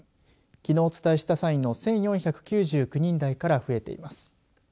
きのうお伝えした際の１４９９人台から増えています。